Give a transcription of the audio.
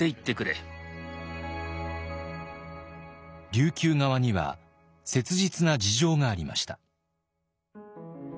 琉球側には切実な事情がありました。